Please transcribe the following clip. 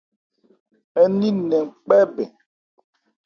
Ń ni nnɛn kpɛ́ bɛn.